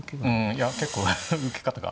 いや結構受け方が。